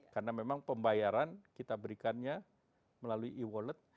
karena memang pembayaran kita berikannya melalui e wallet